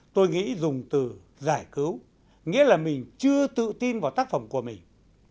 tôi nghĩ dùng từ giải cứu nghĩa là mình chưa tự tin vào tác phẩm của mình